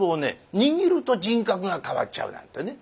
握ると人格が変わっちゃうなんてね。